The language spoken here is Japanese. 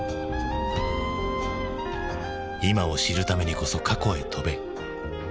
今を知るためにこそ過去へ飛べ。